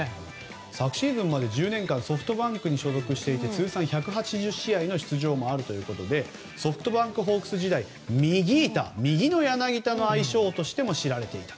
昨シーズンまで１０年間ソフトバンクに所属していて通算１８０試合の出場ということでソフトバンクホークス時代ミギータ、右の柳田という愛称でも知られていた。